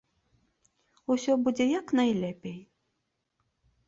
Усё будзе як найлепей.